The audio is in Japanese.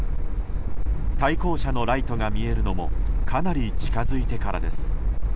対向車のライトが見えるのもかなり近づいてからです。